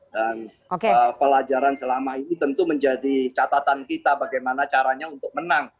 dan pelajaran selama ini tentu menjadi catatan kita bagaimana caranya untuk menang